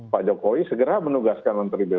pak jokowi segera menugaskan menteri bumn